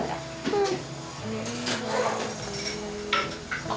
うん。